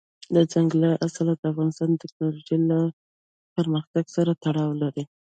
دځنګل حاصلات د افغانستان د تکنالوژۍ له پرمختګ سره تړاو لري.